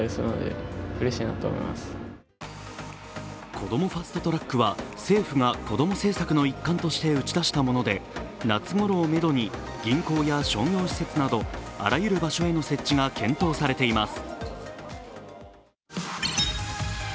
こどもファスト・トラックは政府がこども政策の一環として打ち出したもので夏ごろをめどに銀行や商業施設などあらゆる場所への設置が検討されています。